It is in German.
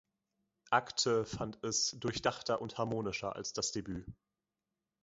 Agthe fand es „durchdachter und harmonischer“ als das Debüt.